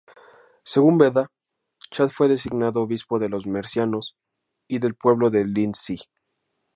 Según Beda, Chad fue designado obispo de los Mercianos y del pueblo de Lindsey".